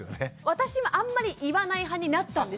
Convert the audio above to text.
私もあんまり言わない派になったんですよ。